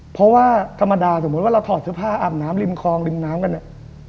เพราะว่าธรรมดาสมมุติว่าเราถอดเสื้อผ้าอาบน้ำริมคลองริมน้ำกันเนี่ย